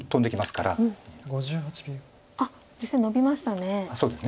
あっ実戦ノビましたね。